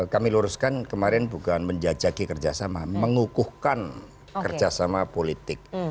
kami luruskan kemarin bukan menjajaki kerjasama mengukuhkan kerjasama politik